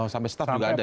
sampai staff juga ada ya